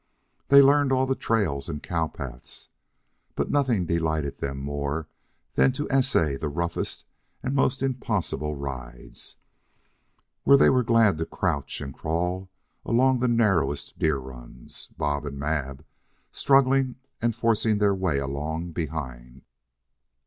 They learned all the trails and cow paths; but nothing delighted them more than to essay the roughest and most impossible rides, where they were glad to crouch and crawl along the narrowest deer runs, Bob and Mab struggling and forcing their way along behind.